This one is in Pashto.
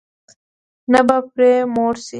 نه به پرې موړ شې.